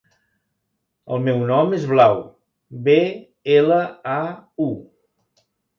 El meu nom és Blau: be, ela, a, u.